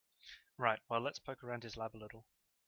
Right, well let's poke around his lab a little.